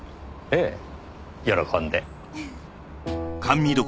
ええ喜んで。